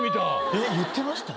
えっ言ってました？